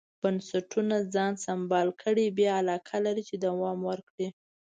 بنسټونه ځان سمبال کړي بیا علاقه لري چې دوام ورکړي.